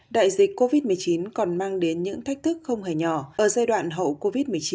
đại dịch covid một mươi chín còn mang đến những thách thức không hề nhỏ ở giai đoạn hậu covid một mươi chín